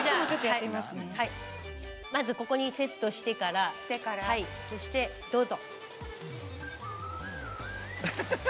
まずここにセットしてからそしてどうぞ。